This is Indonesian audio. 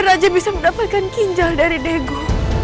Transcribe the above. dan raja bisa mendapatkan ginjal dari dego